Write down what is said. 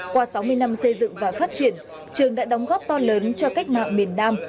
qua sáu mươi năm xây dựng và phát triển trường đã đóng góp to lớn cho cách mạng miền nam